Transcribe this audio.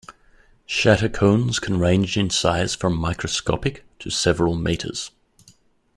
Shatter cones can range in size from microscopic to several meters.